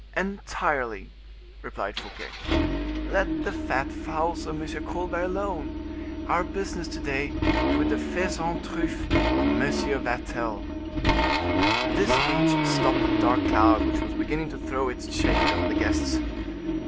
"Entirely," replied Fouquet. "Let the fat fowls of M. Colbert alone; our business to day is with the faisans truffes of M. Vatel." This speech stopped the dark cloud which was beginning to throw its shade over the guests.